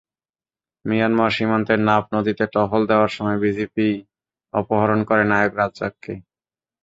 Myanmar সীমান্তের নাফ নদীতে টহল দেওয়ার সময় বিজিপি অপহরণ করে নায়েক রাজ্জাককে।